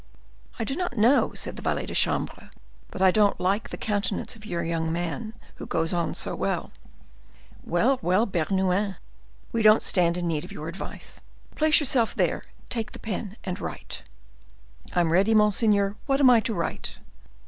"I do not know," said the valet de chambre, "but I don't like the countenance of your young man who goes on so well." "Well, well, Bernouin! We don't stand in need of your advice. Place yourself there: take the pen and write." "I am ready, monseigneur; what am I to write?"